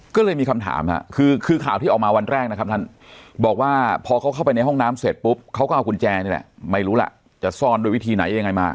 ก็เลยมีคำถามคือข่าวที่ออกมาวันแรกนะครับท่านบอกว่าพอเขาเข้าไปในห้องน้ำเสร็จปุ๊บเขาก็เอากุญแจนี่แหละไม่รู้ล่ะจะซ่อนโดยวิธีไหนยังไงมา